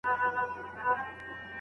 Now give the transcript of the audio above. بوره د هېواد په کچه اړینه ده.